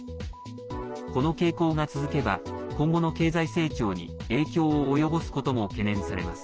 この傾向が続けば今後の経済成長に影響を及ぼすことも懸念されます。